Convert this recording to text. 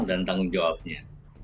dan tanggung jawabnya